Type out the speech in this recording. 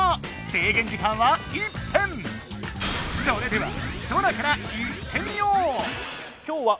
それではソラからいってみよう！